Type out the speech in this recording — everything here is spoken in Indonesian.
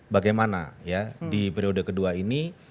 bagaimana ya di periode kedua ini